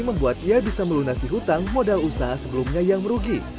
membuat ia bisa melunasi hutang modal usaha sebelumnya yang merugi